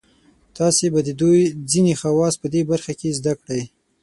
تاسې به د دوی ځینې خواص په دې برخه کې زده کړئ.